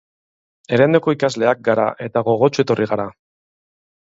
Erandioko ikasleak gara eta gogotsu etorri gara.